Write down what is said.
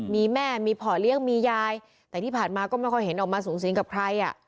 มีแม่มีพ่อเลี้ยงมียายแต่ที่ผ่านมาก็ไม่ค่อยเห็นออกมาสูงสิงกับใคร